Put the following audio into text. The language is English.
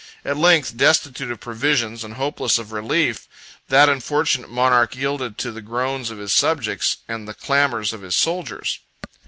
At length, destitute of provisions and hopeless of relief, that unfortunate monarch yielded to the groans of his subjects and the clamors of his soldiers.